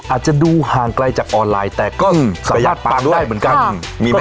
อาจจะดูห่างไกลจากออนไลน์แต่ก็สามารถปังได้เหมือนกัน